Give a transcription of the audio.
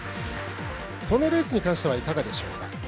このレースに関してはいかがでしょうか。